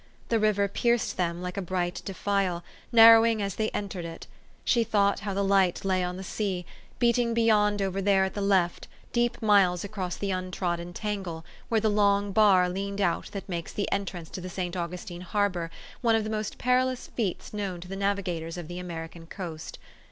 The river pierced them like a bright defile, narrowing as they entered it. She thought how the light lay on the sea, beating beyond over there at the left, deep miles across the untrodden tangle, where the long bar leaned out that makes the entrance to the St. Augustine Harbor one of the most perilous feats known to the navigators of the American coast.